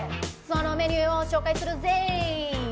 そのメニューを紹介するぜ！